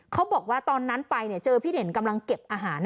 เขาบอกว่าตอนนั้นไปเจอพี่เด่นกำลังเก็บอาหาร